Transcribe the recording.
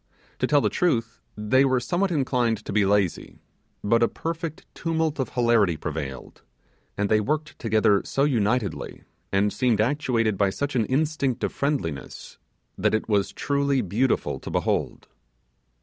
To tell the truth they were somewhat inclined to be lazy, but a perfect tumult of hilarity prevailed; and they worked together so unitedly, and seemed actuated by such an instinct of friendliness, that it was truly beautiful to behold.